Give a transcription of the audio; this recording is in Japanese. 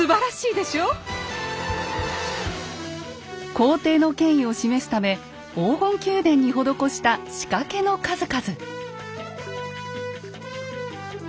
皇帝の権威を示すため黄金宮殿に施した仕掛けの数々。